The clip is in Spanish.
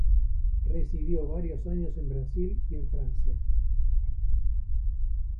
Residió varios años en Brasil y en Francia.